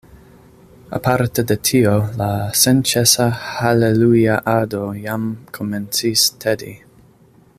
Aparte de tio la senĉesa haleluja-ado jam komencis tedi.